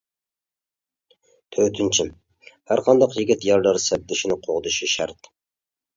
تۆتىنچى، ھەرقانداق يىگىت يارىدار سەپدىشىنى قوغدىشى شەرت.